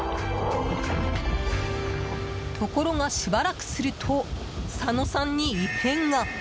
ところが、しばらくすると佐野さんに異変が。